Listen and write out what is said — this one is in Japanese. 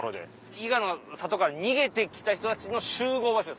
伊賀の里から逃げて来た人たちの集合場所です